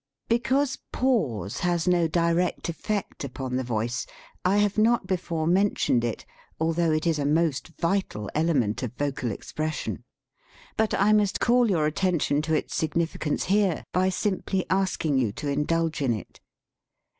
Because pause has no direct effect upon the voice, I have not before mentioned it, although it is a most vital element of vocal expression. But I must call your attention to its signifi cance here by simply asking you to indulge in it.